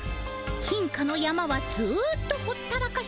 金貨の山はずっとほったらかし。